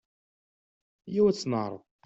Ayaw ad tt-neƐreḍ.